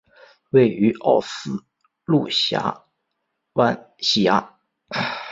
位于奥斯陆峡湾西岸。